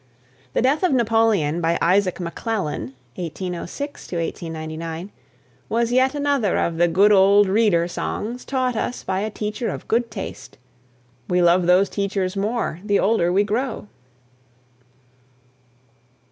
"The Death of Napoleon," by Isaac McClellan (1806 99), was yet another of the good old reader songs taught us by a teacher of good taste. We love those teachers more the older we grow.